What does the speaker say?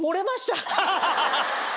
ハハハハ！